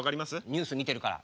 ニュース見てるから。